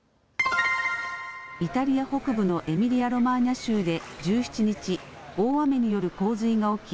イタリア北部のエミリアロマーニャ州で１７日、大雨による洪水が起き